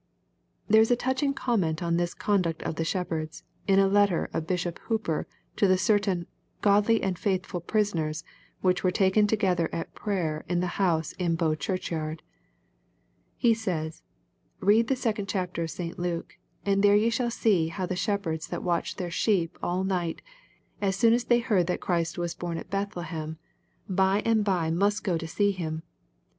] There is a touching comment on this coiiduct of the shepherds, in a letter of Bishop Hooper's to cer tfl ii^ V^ godly and faLitmjil prisoners, which were taken together ^t prayer in a house in Bow Chi^rchyard,'* He says, " Read the gegoft4 phapte* of Stw Luke^ and t^ere ye shall see how the shepherds WA* wntohed theur sheep all night, as soon as tliey beard thftt Christ W&s ^orn »t f ethlebem^ bj m^ bye must go LUKE, CHAP. II. 61 to 866 him.